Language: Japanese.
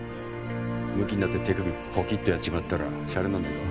むきになって手首ポキッとやっちまったらしゃれになんねえぞ。